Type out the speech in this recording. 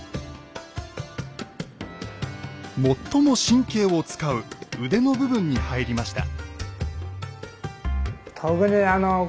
最も神経を使う腕の部分に入りました。